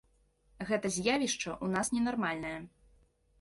Гэта з'явішча ў нас ненармальнае.